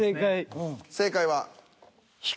正解は？